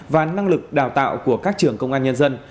và năng lực đào tạo của các đồng nghiệp